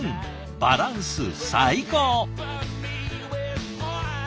バランス最高！